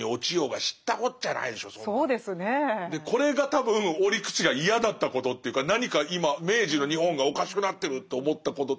でこれが多分折口が嫌だったことっていうか何か今明治の日本がおかしくなってると思ったことと